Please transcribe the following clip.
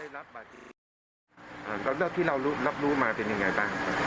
แล้วที่เรารับรู้มาเป็นอย่างไรคะ